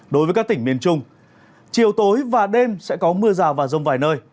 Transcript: đối với các tỉnh miền trung chiều tối và đêm sẽ có mưa rào và rông vài nơi